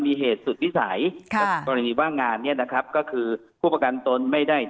มีเหตุสุดวิสัยว่างงานนี้นะครับก็คือผู้ประกันตนไม่